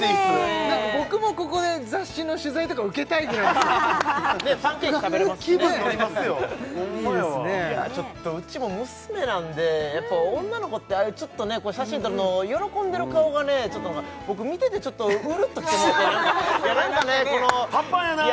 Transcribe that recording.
僕もここで雑誌の取材とか受けたいぐらいですパンケーキ食べれますしね気分乗りますよホンマやわちょっとうちも娘なんでやっぱ女の子ってああいう写真撮るのを喜んでる顔がね僕見ててちょっとウルッときてもうて何かパパやなあ！